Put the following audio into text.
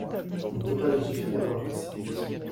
On ne peut pas légiférer dans la précipitation.